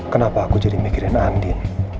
kenapa aku jadi mikirin andin